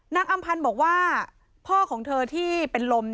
อำพันธ์บอกว่าพ่อของเธอที่เป็นลม